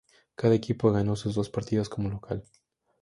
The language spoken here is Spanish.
Cada equipo ganó sus dos partidos como local.